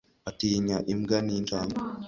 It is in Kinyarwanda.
atinya imbwa ninjangwe